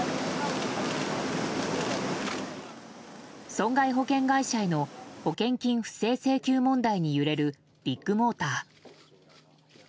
損害保険会社への保険金不正請求問題に揺れるビッグモーター。